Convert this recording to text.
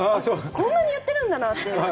こんなに言ってるんだなって。